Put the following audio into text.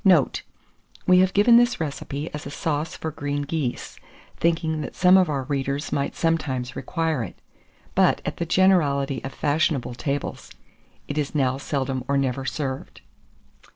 Note. We have given this recipe as a sauce for green geese, thinking that some of our readers might sometimes require it; but, at the generality of fashionable tables, it is now seldom or never served.